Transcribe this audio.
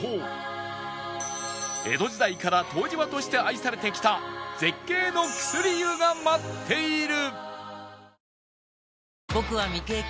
江戸時代から湯治場として愛されてきた絶景の薬湯が待っている！